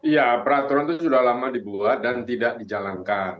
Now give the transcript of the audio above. ya peraturan itu sudah lama dibuat dan tidak dijalankan